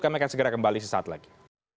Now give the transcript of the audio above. kami akan segera kembali sesaat lagi